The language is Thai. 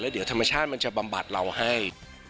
เดี๋ยวธรรมชาติมันจะบำบัดเราให้